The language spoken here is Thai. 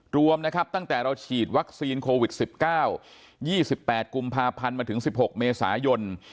รวมนะครับตั้งแต่เราฉีดวัคซีนโควิด๑๙๒๘กุมภาพันธ์มาถึง๑๖เมษายน